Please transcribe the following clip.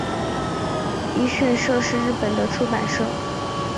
一迅社是日本的出版社。